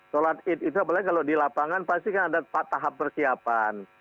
sholat id itu apalagi kalau di lapangan pasti kan ada empat tahap persiapan